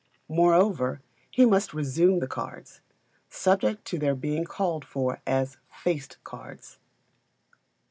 Moreover, he must resume the cards, subject to their being called for as "faced" cards.